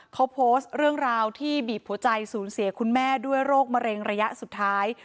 เขาโพสต์เรื่องราวที่บีบหัวใจสูญเสียคุณแม่ด้วยโรคมะเร็งระยะสุดท้าย